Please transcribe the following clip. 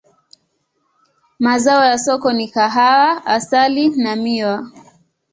Mazao ya soko ni kahawa, asali na miwa.